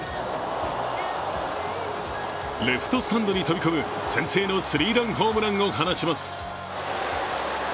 レフトスタンドに飛び込む先制のスリーランホームランを放ちます。